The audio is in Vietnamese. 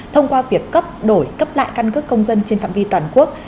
thông qua việc cấp đổi cấp lại căn cước công dân trên phạm vi toàn quốc